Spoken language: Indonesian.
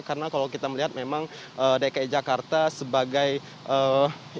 karena kalau kita melihat memang dki jakarta sebagai penyelenggaraan